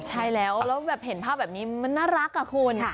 ใช่แล้วแล้วแบบเห็นภาพแบบนี้มันน่ารักอะคุณ